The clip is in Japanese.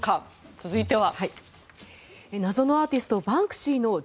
続いては。